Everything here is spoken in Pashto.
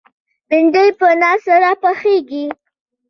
بېنډۍ په ناز سره پخېږي